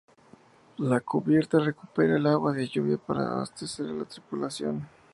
La cubierta recupera el agua de lluvia para abastecer a la tripulación.